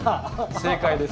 正解です。